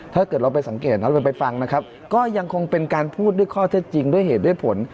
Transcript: ถ้าเกิดเราไปสังเกตเราไปฟังนะครับก็ยังคงเป็นการพูดด้วยข้อเท็จจริงด้วยเหตุด้วยผล